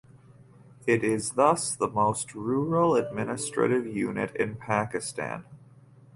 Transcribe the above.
It is thus the most rural administrative unit in Pakistan.